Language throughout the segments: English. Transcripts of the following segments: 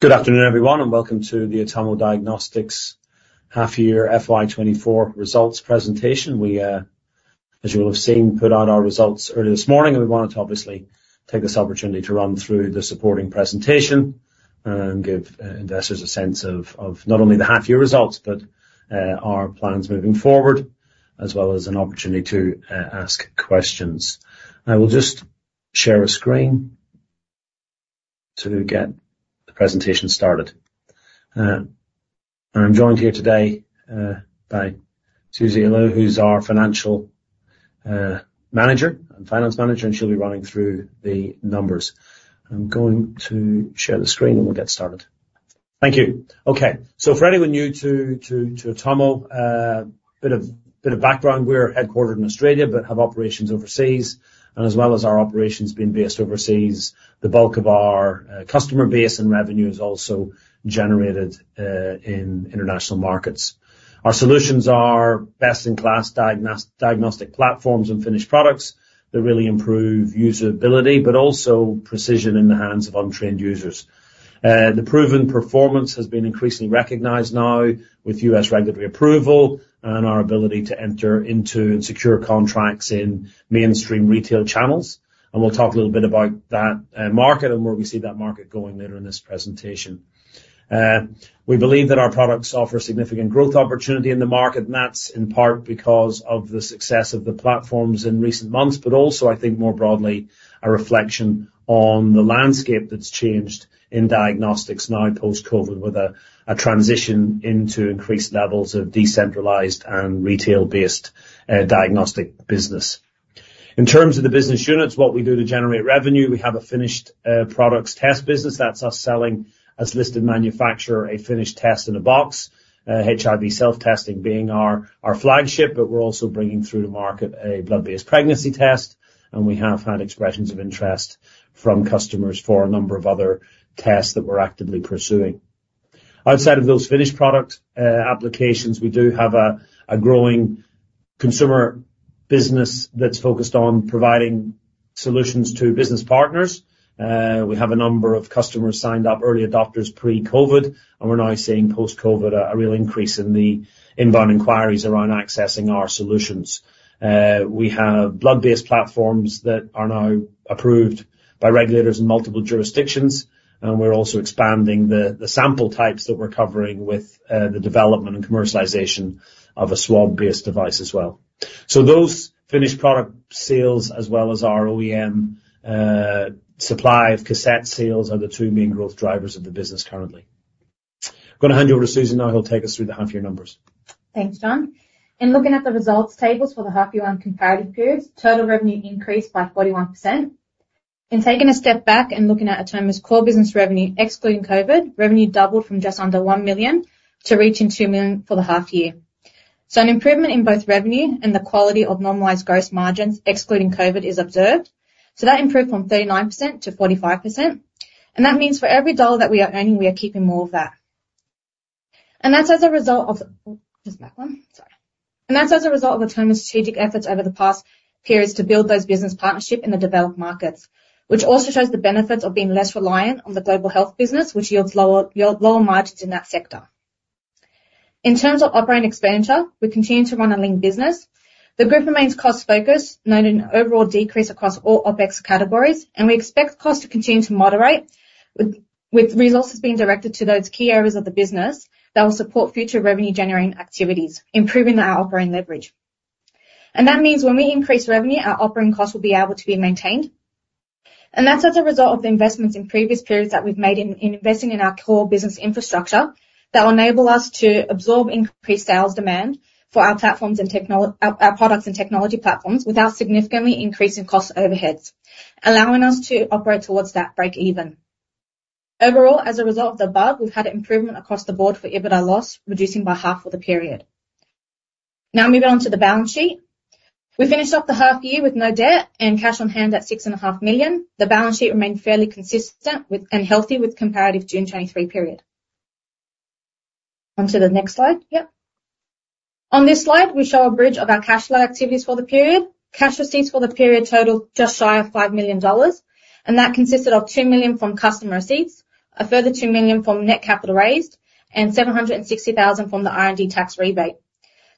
Good afternoon everyone and welcome to the Atomo Diagnostics Half-Year FY24 Results Presentation. We, as you will have seen, put out our results early this morning and we wanted to obviously take this opportunity to run through the supporting presentation and give investors a sense of not only the half-year results but our plans moving forward as well as an opportunity to ask questions. I will just share a screen to get the presentation started. I'm joined here today by Suzy Elhlou, who's our Finance Manager, and she'll be running through the numbers. I'm going to share the screen and we'll get started. Thank you. Okay. So for anyone new to Atomo, a bit of background: we're Headquartered in Australia but have operations overseas. And as well as our operations being based overseas, the bulk of our customer base and revenue is also generated in international markets. Our solutions are best-in-class diagnostic platforms and finished products that really improve usability but also precision in the hands of untrained users. The proven performance has been increasingly recognized now with U.S. regulatory approval and our ability to enter into and secure contracts in mainstream retail channels. We'll talk a little bit about that market and where we see that market going later in this presentation. We believe that our products offer significant growth opportunity in the market, and that's in part because of the success of the platforms in recent months but also, I think more broadly, a reflection on the landscape that's changed in diagnostics now post-COVID with a transition into increased levels of decentralized and retail-based Diagnostic business. In terms of the business units, what we do to generate revenue, we have a finished Products Test business. That's us selling as listed manufacturer a finished test in a box, HIV self-testing being our flagship, but we're also bringing through the market a blood-based pregnancy test. We have had expressions of interest from customers for a number of other tests that we're actively pursuing. Outside of those finished product applications, we do have a growing consumer business that's focused on providing solutions to business partners. We have a number of customers signed up, early adopters pre-COVID, and we're now seeing post-COVID a real increase in the inbound inquiries around accessing our solutions. We have blood-based platforms that are now approved by regulators in multiple jurisdictions, and we're also expanding the sample types that we're covering with the development and commercialization of a swab-based device as well. Those finished product sales as well as our OEM supply of cassette sales are the two main growth drivers of the business currently. I'm going to hand you over to Suzy now. She'll take us through the half-year numbers. Thanks, John. In looking at the results tables for the half-year on comparative periods, total revenue increased by 41%. In taking a step back and looking at Atomo's core business revenue excluding COVID, revenue doubled from just under 1 million to reaching 2 million for the half-year. So an improvement in both revenue and the quality of normalized gross margins excluding COVID is observed. So that improved from 39%-45%. And that means for every dollar that we are earning, we are keeping more of that. And that's as a result of Atomo's strategic efforts over the past periods to build those business partnerships in the developed markets, which also shows the benefits of being less reliant on the global health business, which yields lower margins in that sector. In terms of operating expenditure, we continue to run a lean business. The group remains cost-focused, noting an overall decrease across all OpEx categories, and we expect costs to continue to moderate with resources being directed to those key areas of the business that will support future revenue-generating activities, improving our operating leverage. That means when we increase revenue, our operating costs will be able to be maintained. That's as a result of the investments in previous periods that we've made in investing in our core business infrastructure that will enable us to absorb increased sales demand for our products and technology platforms without significantly increasing cost overheads, allowing us to operate towards that break-even. Overall, as a result of the above, we've had an improvement across the board for EBITDA loss, reducing by half for the period. Now moving on to the balance sheet. We finished off the half-year with no debt and cash on hand at 6.5 million. The balance sheet remained fairly consistent and healthy with comparative June 2023 period. Onto the next slide. Yep. On this slide, we show a bridge of our cash flow activities for the period. Cash receipts for the period totaled just shy of 5 million dollars, and that consisted of 2 million from customer receipts, a further 2 million from net capital raised, and 760,000 from the R&D tax rebate.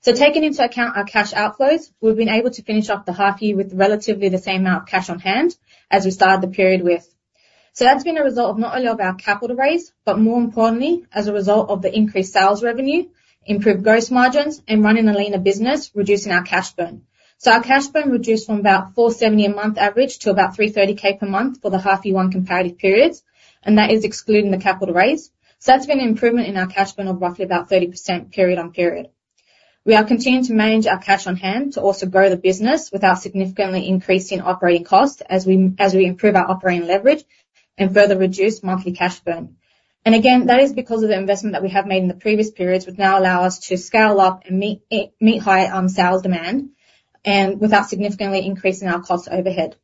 So taking into account our cash outflows, we've been able to finish off the half-year with relatively the same amount of cash on hand as we started the period with. So that's been a result of not only of our capital raise but, more importantly, as a result of the increased sales revenue, improved gross margins, and running a leaner business, reducing our cash burn. So our cash burn reduced from about 470,000 per month average to about 330,000 per month for the H1 comparative periods, and that is excluding the capital raise. So that's been an improvement in our cash burn of roughly about 30% period-on-period. We are continuing to manage our cash on hand to also grow the business without significantly increasing operating costs as we improve our operating leverage and further reduce monthly cash burn. And again, that is because of the investment that we have made in the previous periods which now allow us to scale up and meet higher sales demand without significantly increasing our cost overhead.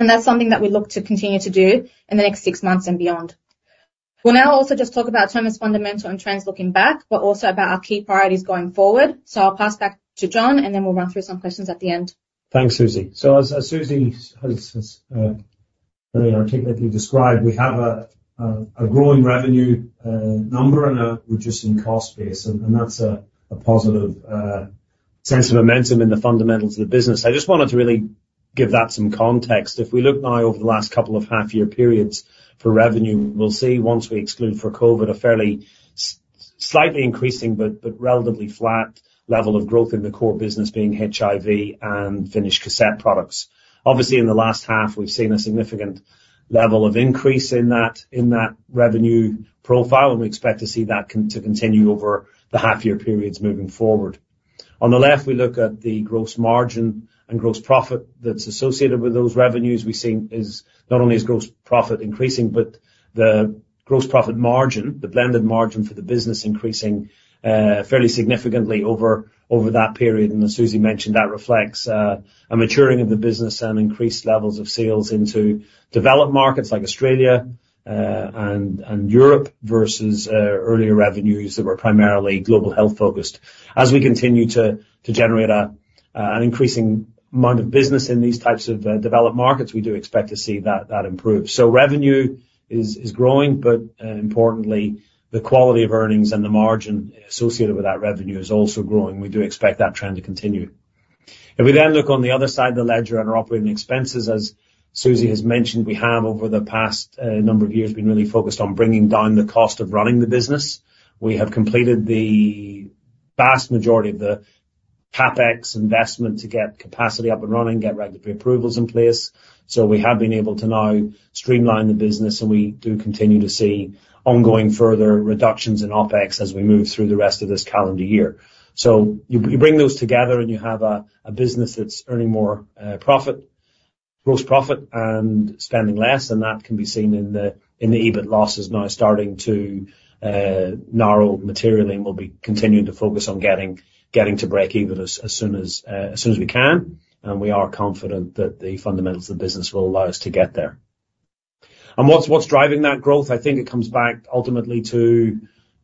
That's something that we look to continue to do in the next six months and beyond. We'll now also just talk about Atomo's fundamental and trends looking back but also about our key priorities going forward. I'll pass back to John and then we'll run through some questions at the end. Thanks, Suzy. So as Suzy has very articulately described, we have a growing revenue number and a reducing cost base, and that's a positive sense of momentum in the fundamentals of the business. I just wanted to really give that some context. If we look now over the last couple of half-year periods for revenue, we'll see once we exclude for COVID a fairly slightly increasing but relatively flat level of growth in the core business being HIV and finished cassette products. Obviously, in the last half, we've seen a significant level of increase in that revenue profile, and we expect to see that continue over the half-year periods moving forward. On the left, we look at the gross margin and gross profit that's associated with those revenues. We see not only is gross profit increasing, but the gross profit margin, the blended margin for the business, increasing fairly significantly over that period. As Suzy mentioned, that reflects a maturing of the business and increased levels of sales into developed markets like Australia and Europe versus earlier revenues that were primarily global health-focused. As we continue to generate an increasing amount of business in these types of developed markets, we do expect to see that improve. Revenue is growing but, importantly, the quality of earnings and the margin associated with that revenue is also growing. We do expect that trend to continue. If we then look on the other side of the ledger and our operating expenses, as Suzy has mentioned, we have over the past number of years been really focused on bringing down the cost of running the business. We have completed the vast majority of the CapEx investment to get capacity up and running, get regulatory approvals in place. So we have been able to now streamline the business, and we do continue to see ongoing further reductions in OpEx as we move through the rest of this calendar year. So you bring those together and you have a business that's earning more gross profit and spending less, and that can be seen in the EBIT losses now starting to narrow materially and will be continuing to focus on getting to break-even as soon as we can. And we are confident that the fundamentals of the business will allow us to get there. And what's driving that growth? I think it comes back ultimately to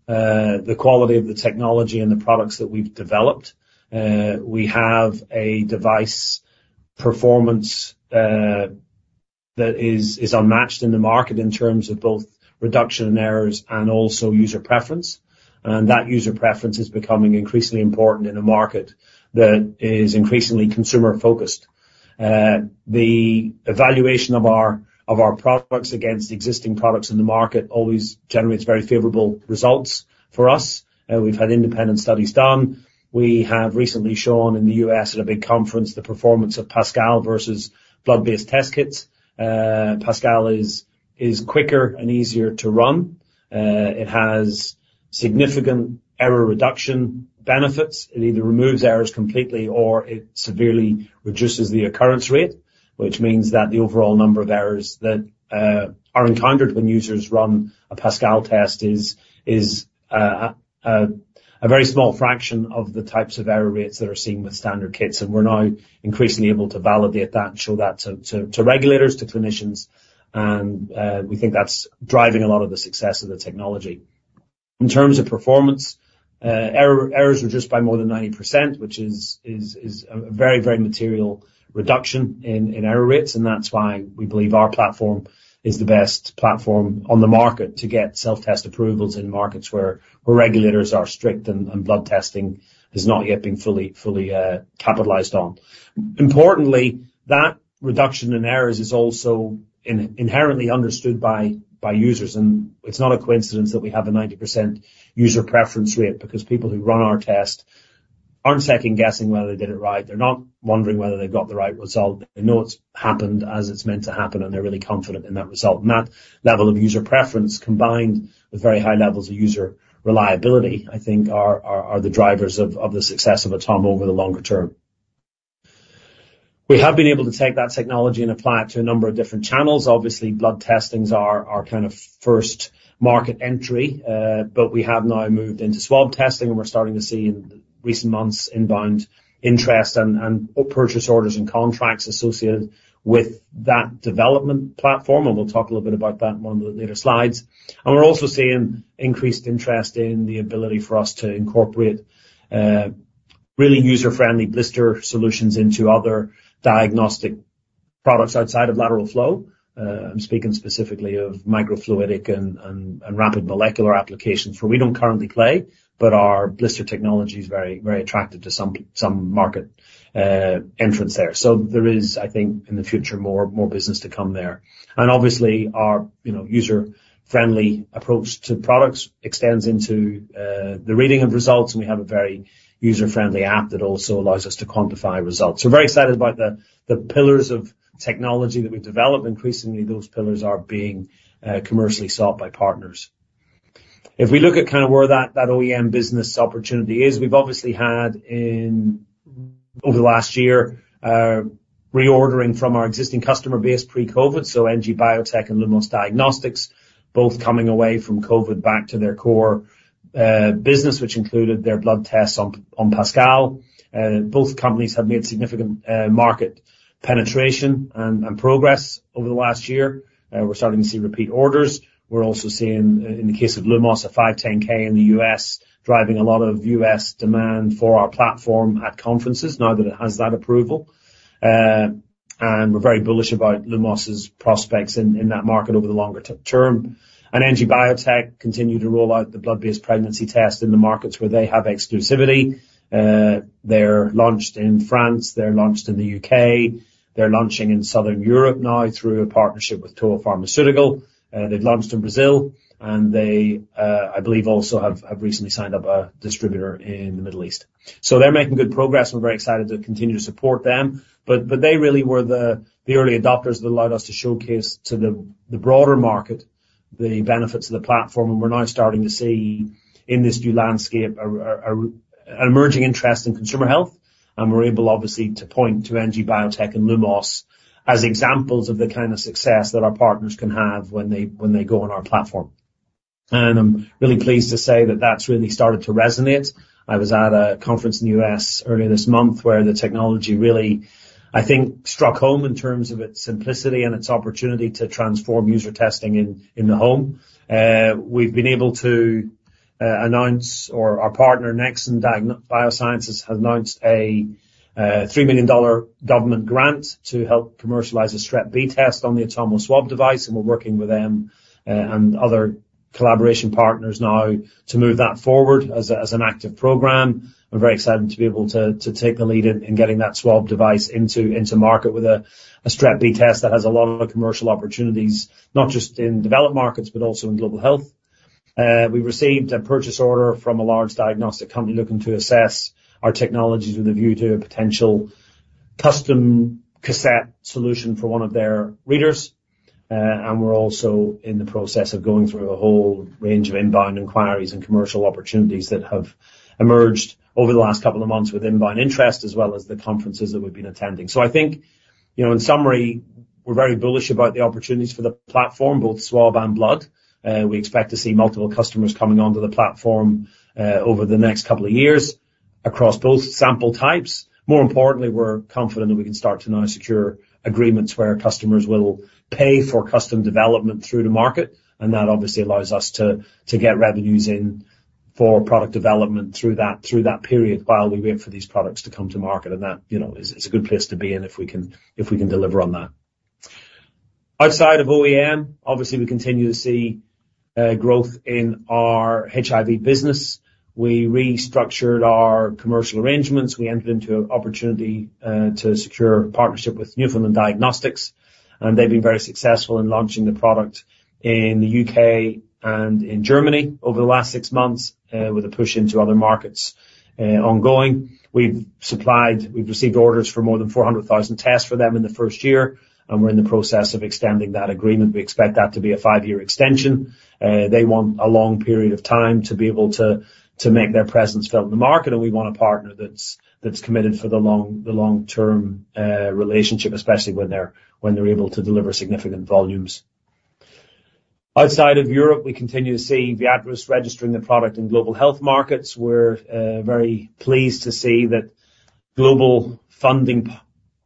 the quality of the technology and the products that we've developed. We have a device performance that is unmatched in the market in terms of both reduction in errors and also user preference. That user preference is becoming increasingly important in a market that is increasingly consumer-focused. The evaluation of our products against existing products in the market always generates very favorable results for us. We've had independent studies done. We have recently shown in the U.S. at a big conference the performance of Pascal versus blood-based test kits. Pascal is quicker and easier to run. It has significant error reduction benefits. It either removes errors completely or it severely reduces the occurrence rate, which means that the overall number of errors that are encountered when users run a Pascal test is a very small fraction of the types of error rates that are seen with standard kits. We're now increasingly able to validate that and show that to regulators, to clinicians, and we think that's driving a lot of the success of the technology. In terms of performance, errors reduced by more than 90%, which is a very, very material reduction in error rates, and that's why we believe our platform is the best platform on the market to get self-test approvals in markets where regulators are strict and blood testing is not yet being fully capitalized on. Importantly, that reduction in errors is also inherently understood by users, and it's not a coincidence that we have a 90% user preference rate because people who run our test aren't second-guessing whether they did it right. They're not wondering whether they've got the right result. They know it's happened as it's meant to happen, and they're really confident in that result. That level of user preference combined with very high levels of user reliability, I think, are the drivers of the success of Atomo over the longer term. We have been able to take that technology and apply it to a number of different channels. Obviously, blood testings are kind of first market entry, but we have now moved into swab testing, and we're starting to see in recent months inbound interest and purchase orders and contracts associated with that development platform, and we'll talk a little bit about that in one of the later slides. We're also seeing increased interest in the ability for us to incorporate really user-friendly blister solutions into other diagnostic products outside of lateral flow. I'm speaking specifically of microfluidic and rapid molecular applications where we don't currently play, but our blister technology is very attractive to some market entrance there. So there is, I think, in the future more business to come there. And obviously, our user-friendly approach to products extends into the reading of results, and we have a very user-friendly app that also allows us to quantify results. So we're very excited about the pillars of technology that we've developed. Increasingly, those pillars are being commercially sought by partners. If we look at kind of where that OEM business opportunity is, we've obviously had, over the last year, reordering from our existing customer base pre-COVID, so NG Biotech and Lumos Diagnostics, both coming away from COVID back to their core business, which included their blood tests on Pascal. Both companies have made significant market penetration and progress over the last year. We're starting to see repeat orders. We're also seeing, in the case of Lumos, a 510(k) in the U.S. driving a lot of U.S. demand for our platform at conferences now that it has that approval. We're very bullish about Lumos's prospects in that market over the longer term. An NG Biotech continue to roll out the blood-based pregnancy test in the markets where they have exclusivity. They're launched in France. They're launched in the U.K. They're launching in Southern Europe now through a partnership with TOA Pharmaceutical. They've launched in Brazil, and they, I believe, also have recently signed up a distributor in the Middle East. They're making good progress, and we're very excited to continue to support them. But they really were the early adopters that allowed us to showcase to the broader market the benefits of the platform, and we're now starting to see in this new landscape an emerging interest in consumer health. And we're able, obviously, to point to NG Biotech and Lumos as examples of the kind of success that our partners can have when they go on our platform. And I'm really pleased to say that that's really started to resonate. I was at a conference in the U.S. earlier this month where the technology really, I think, struck home in terms of its simplicity and its opportunity to transform user testing in the home. We've been able to announce or our partner, Nexon Biosciences, has announced a $3 million government grant to help commercialize a Strep B test on the Atomo swab device, and we're working with them and other collaboration partners now to move that forward as an active program. I'm very excited to be able to take the lead in getting that swab device into market with a Strep B test that has a lot of commercial opportunities, not just in developed markets but also in global health. We've received a purchase order from a large diagnostic company looking to assess our technologies with a view to a potential custom cassette solution for one of their readers, and we're also in the process of going through a whole range of inbound enquiries and commercial opportunities that have emerged over the last couple of months with inbound interest as well as the conferences that we've been attending. So I think, in summary, we're very bullish about the opportunities for the platform, both swab and blood. We expect to see multiple customers coming onto the platform over the next couple of years across both sample types. More importantly, we're confident that we can start to now secure agreements where customers will pay for custom development through the market, and that obviously allows us to get revenues in for product development through that period while we wait for these products to come to market. That is a good place to be in if we can deliver on that. Outside of OEM, obviously, we continue to see growth in our HIV business. We restructured our commercial arrangements. We entered into an opportunity to secure partnership with Newfoundland Diagnostics, and they've been very successful in launching the product in the U.K. and in Germany over the last six months with a push into other markets ongoing. We've received orders for more than 400,000 tests for them in the first year, and we're in the process of extending that agreement. We expect that to be a five-year extension. They want a long period of time to be able to make their presence felt in the market, and we want a partner that's committed for the long-term relationship, especially when they're able to deliver significant volumes. Outside of Europe, we continue to see Viatris registering the product in global health markets. We're very pleased to see that global funding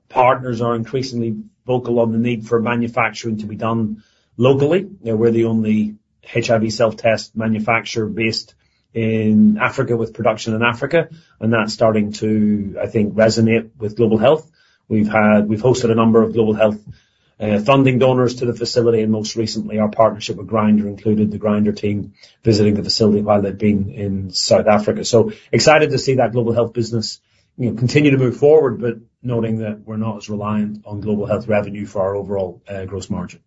partners are increasingly vocal on the need for manufacturing to be done locally. We're the only HIV self-test manufacturer based in Africa with production in Africa, and that's starting to, I think, resonate with global health. We've hosted a number of global health funding donors to the facility, and most recently, our partnership with Grindr included the Grindr team visiting the facility while they've been in South Africa. So excited to see that global health business continue to move forward but noting that we're not as reliant on global health revenue for our overall gross margin.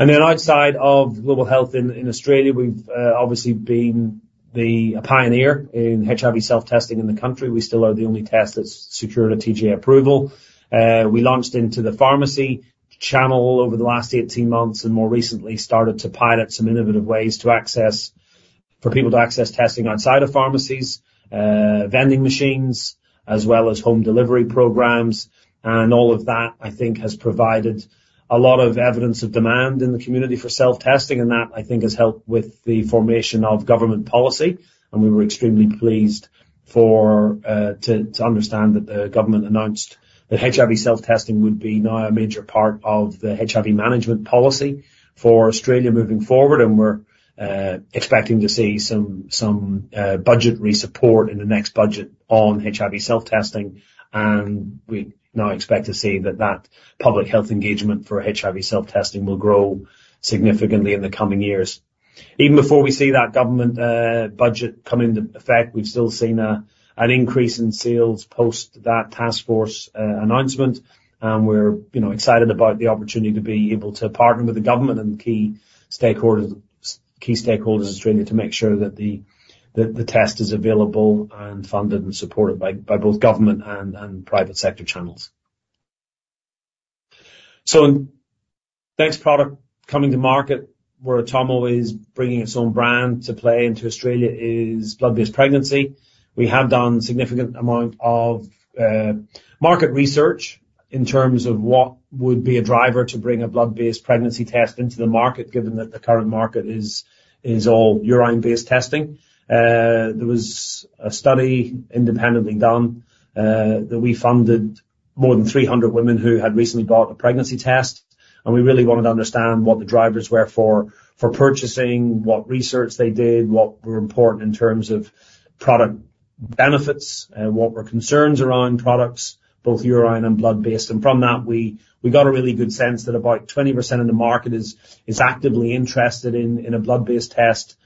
And then outside of global health in Australia, we've obviously been a pioneer in HIV self-testing in the country. We still are the only test that's secured a TGA approval. We launched into the pharmacy channel over the last 18 months and more recently started to pilot some innovative ways for people to access testing outside of pharmacies, vending machines, as well as home delivery programs. And all of that, I think, has provided a lot of evidence of demand in the community for self-testing, and that, I think, has helped with the formation of government policy. We were extremely pleased to understand that the government announced that HIV self-testing would be now a major part of the HIV management policy for Australia moving forward, and we're expecting to see some budgetary support in the next budget on HIV self-testing. We now expect to see that that public health engagement for HIV self-testing will grow significantly in the coming years. Even before we see that government budget come into effect, we've still seen an increase in sales post that taskforce announcement, and we're excited about the opportunity to be able to partner with the government and key stakeholders in Australia to make sure that the test is available and funded and supported by both government and private sector channels. The next product coming to market where Atomo is bringing its own brand to play into Australia is blood-based pregnancy. We have done a significant amount of market research in terms of what would be a driver to bring a blood-based pregnancy test into the market, given that the current market is all urine-based testing. There was a study independently done that we funded more than 300 women who had recently bought a pregnancy test, and we really wanted to understand what the drivers were for purchasing, what research they did, what were important in terms of product benefits, what were concerns around products, both urine and blood-based. From that, we got a really good sense that about 20% of the market is actively interested in a blood-based test,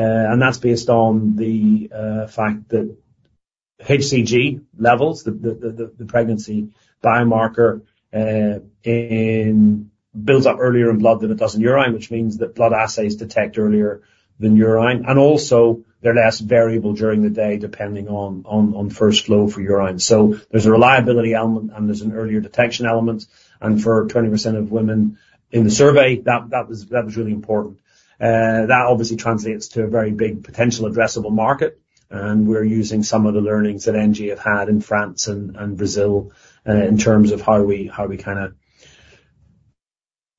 and that's based on the fact that HCG levels, the pregnancy biomarker, builds up earlier in blood than it does in urine, which means that blood assays detect earlier than urine, and also they're less variable during the day depending on first flow for urine. So there's a reliability element, and there's an earlier detection element. For 20% of women in the survey, that was really important. That obviously translates to a very big potential addressable market, and we're using some of the learnings that NG have had in France and Brazil in terms of how we kind of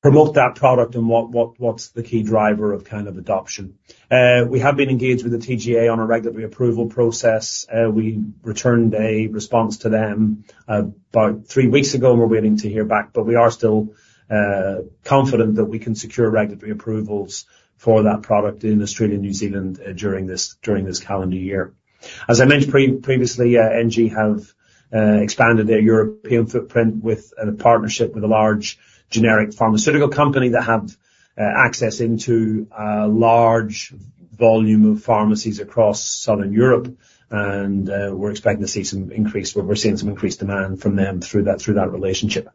promote that product and what's the key driver of kind of adoption. We have been engaged with the TGA on a regulatory approval process. We returned a response to them about three weeks ago, and we're waiting to hear back, but we are still confident that we can secure regulatory approvals for that product in Australia and New Zealand during this calendar year. As I mentioned previously, NG have expanded their European footprint with a partnership with a large generic pharmaceutical company that have access into a large volume of pharmacies across southern Europe, and we're expecting to see some increase where we're seeing some increased demand from them through that relationship.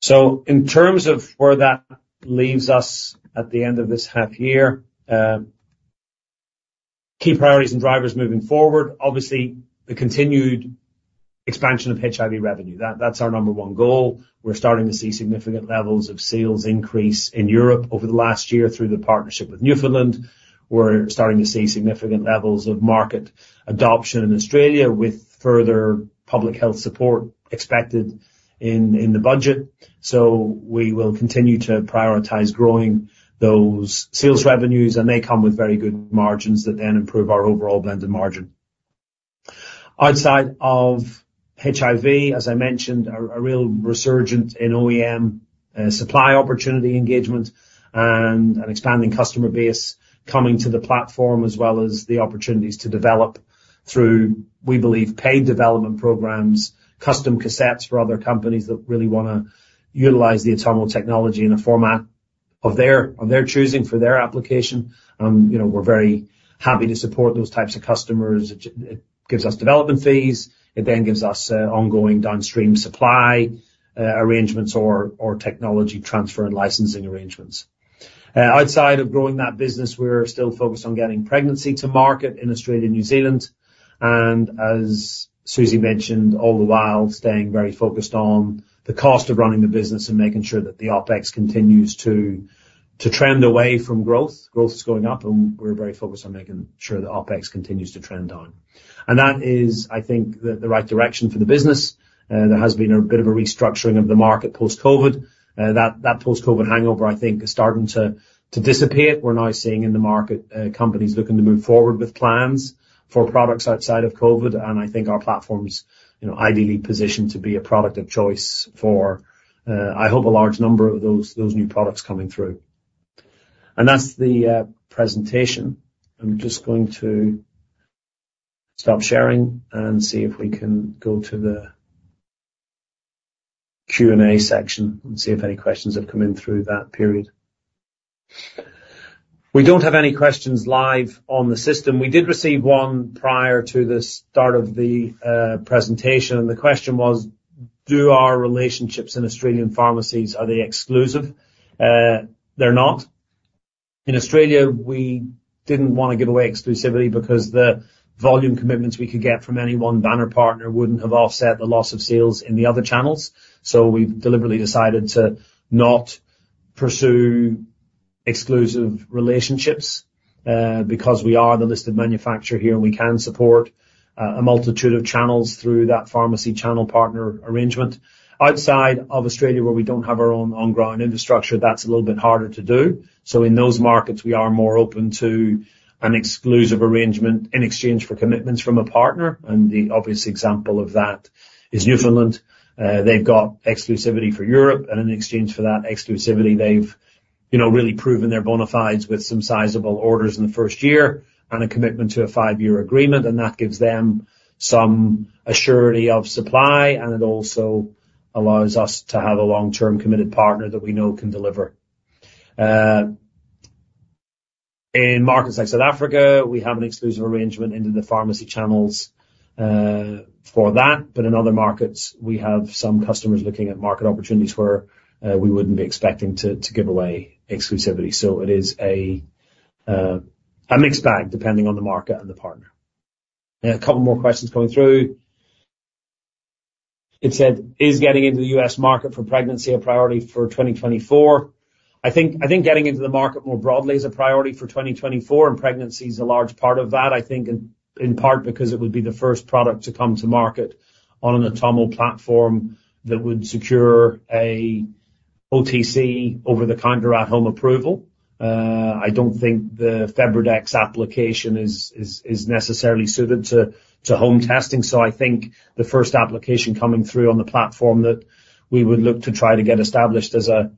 So in terms of where that leaves us at the end of this half-year, key priorities and drivers moving forward, obviously, the continued expansion of HIV revenue. That's our number one goal. We're starting to see significant levels of sales increase in Europe over the last year through the partnership with Newfoundland. We're starting to see significant levels of market adoption in Australia with further public health support expected in the budget. So we will continue to prioritize growing those sales revenues, and they come with very good margins that then improve our overall blended margin. Outside of HIV, as I mentioned, a real resurgent in OEM supply opportunity engagement and an expanding customer base coming to the platform as well as the opportunities to develop through, we believe, paid development programs, custom cassettes for other companies that really want to utilize the Atomo technology in a format of their choosing for their application. We're very happy to support those types of customers. It gives us development fees. It then gives us ongoing downstream supply arrangements or technology transfer and licensing arrangements. Outside of growing that business, we're still focused on getting pregnancy to market in Australia and New Zealand. And as Suzy mentioned all the while, staying very focused on the cost of running the business and making sure that the OpEx continues to trend away from growth. Growth is going up, and we're very focused on making sure the OpEx continues to trend down. And that is, I think, the right direction for the business. There has been a bit of a restructuring of the market post-COVID. That post-COVID hangover, I think, is starting to dissipate. We're now seeing in the market companies looking to move forward with plans for products outside of COVID, and I think our platform's ideally positioned to be a product of choice for, I hope, a large number of those new products coming through. And that's the presentation. I'm just going to stop sharing and see if we can go to the Q&A section and see if any questions have come in through that period. We don't have any questions live on the system. We did receive one prior to the start of the presentation, and the question was, "Do our relationships in Australian pharmacies, are they exclusive?" They're not. In Australia, we didn't want to give away exclusivity because the volume commitments we could get from any one banner partner wouldn't have offset the loss of sales in the other channels. So we've deliberately decided to not pursue exclusive relationships because we are the listed manufacturer here, and we can support a multitude of channels through that pharmacy channel partner arrangement. Outside of Australia, where we don't have our own on-ground infrastructure, that's a little bit harder to do. So in those markets, we are more open to an exclusive arrangement in exchange for commitments from a partner. And the obvious example of that is Newfoundland. They've got exclusivity for Europe, and in exchange for that exclusivity, they've really proven they're bona fides with some sizable orders in the first year and a commitment to a five-year agreement. And that gives them some assurance of supply, and it also allows us to have a long-term committed partner that we know can deliver. In markets like South Africa, we have an exclusive arrangement into the pharmacy channels for that, but in other markets, we have some customers looking at market opportunities where we wouldn't be expecting to give away exclusivity. So it is a mixed bag depending on the market and the partner. A couple more questions coming through. It said, "Is getting into the U.S. market for pregnancy a priority for 2024?" I think getting into the market more broadly is a priority for 2024, and pregnancy is a large part of that, I think, in part because it would be the first product to come to market on an Atomo platform that would secure an OTC over-the-counter at-home approval. I don't think the FebriDx application is necessarily suited to home testing. So I think the first application coming through on the platform that we would look to try to get established as a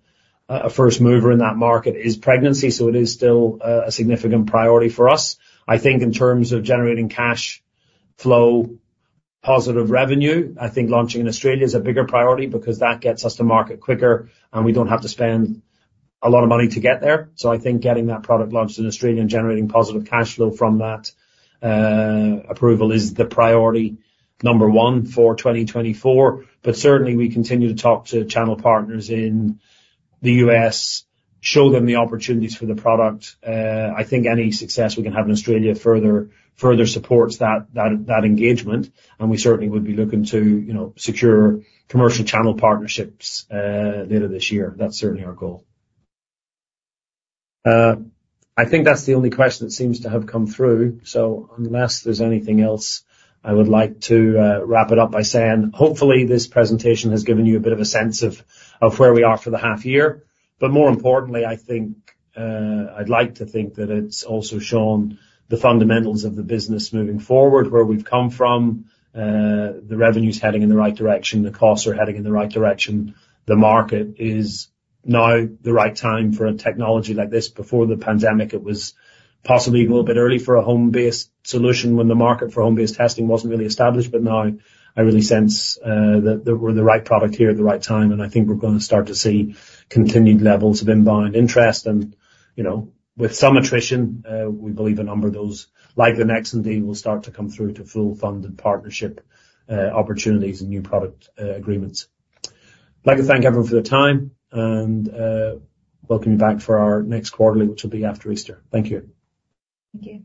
first mover in that market is pregnancy, so it is still a significant priority for us. I think in terms of generating cash flow, positive revenue, I think launching in Australia is a bigger priority because that gets us to market quicker, and we don't have to spend a lot of money to get there. So I think getting that product launched in Australia and generating positive cash flow from that approval is the priority number 1 for 2024. But certainly, we continue to talk to channel partners in the U.S., show them the opportunities for the product. I think any success we can have in Australia further supports that engagement, and we certainly would be looking to secure commercial channel partnerships later this year. That's certainly our goal. I think that's the only question that seems to have come through. Unless there's anything else, I would like to wrap it up by saying, hopefully, this presentation has given you a bit of a sense of where we are for the half-year. But more importantly, I'd like to think that it's also shown the fundamentals of the business moving forward, where we've come from, the revenue's heading in the right direction, the costs are heading in the right direction. The market is now the right time for a technology like this. Before the pandemic, it was possibly a little bit early for a home-based solution when the market for home-based testing wasn't really established. But now, I really sense that we're the right product here at the right time, and I think we're going to start to see continued levels of inbound interest. With some attrition, we believe a number of those, like the Nexon, will start to come through to full-funded partnership opportunities and new product agreements. I'd like to thank everyone for their time and welcome you back for our next quarterly, which will be after Easter. Thank you. Thank you.